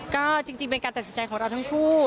ก็จริงเป็นการตัดสินใจของเราทั้งคู่